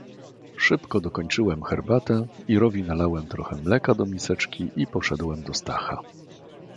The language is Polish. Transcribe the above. "Szybko dokończyłem herbatę, Irowi nalałem trochę mleka do miseczki i poszedłem do Stacha."